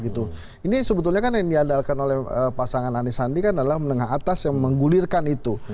ini sebetulnya kan yang diandalkan oleh pasangan anies sandi kan adalah menengah atas yang menggulirkan itu